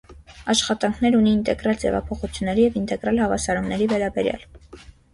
Աշխատանքներ ունի ինտեգրալ ձևափոխությունների և ինտեգրալ հավասարումների վերաբերյալ։